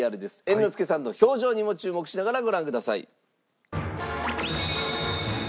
猿之助さんの表情にも注目しながらご覧ください。